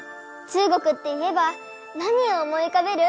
中国っていえば何を思いうかべる？